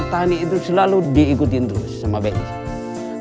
kemana arahnya petani itu selalu diikutin terus sama bank indonesia